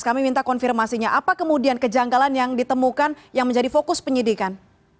kami minta konfirmasinya apa kemudian kejanggalan yang ditemukan yang menjadi fokus penyidikan